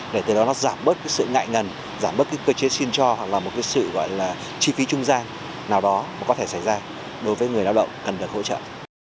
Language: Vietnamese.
để từ đó nó giảm bớt cái sự ngại ngần giảm bớt cái cơ chế xin cho hoặc là một cái sự gọi là chi phí trung gian nào đó mà có thể xảy ra đối với người lao động cần được hỗ trợ